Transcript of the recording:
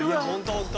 本当。